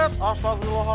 aduh aduh aduh